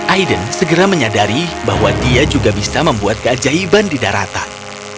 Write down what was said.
aiden segera menyadari bahwa dia juga bisa membuat keajaiban di daratan